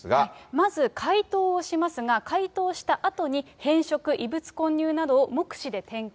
まず解凍をしますが、解凍をしたあとに、変色、異物混入などを目視で点検。